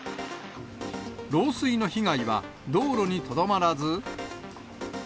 漏水の被害は道路にとどまらず。